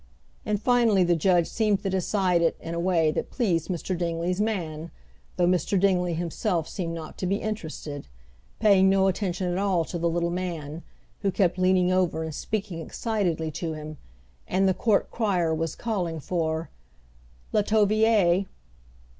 And finally the judge seemed to decide it in a way that pleased Mr. Dingley's man; though Mr. Dingley himself seemed not to be interested, paying no attention at all to the little man, who kept leaning over and speaking excitedly to him, and the court crier was calling for "Latovier."